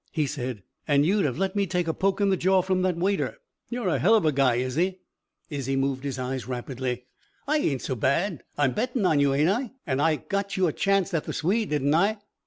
He said: "And you'd have let me take a poke in the jaw from that waiter. You're a hell of a guy, Izzie." Izzie moved his eyes rapidly. "I ain't so bad. I'm bettin' on you, ain't I? An' I got you a chancet at the Swede, didn't I?"